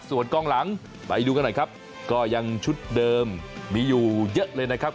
ส่วนกองหลังไปดูกันหน่อยครับก็ยังชุดเดิมมีอยู่เยอะเลยนะครับ